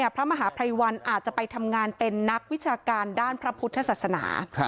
พระมหาภัยวันอาจจะไปทำงานเป็นนักวิชาการด้านพระพุทธศาสนา